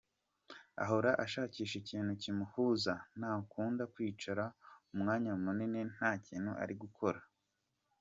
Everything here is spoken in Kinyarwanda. Ahora ashakisha ikintu kimuhuza, ntakunda kwicara umwanya munini nta kintu ari gukora.